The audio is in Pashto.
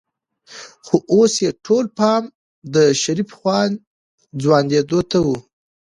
خو اوس يې ټول پام د شريف ځوانېدو ته و.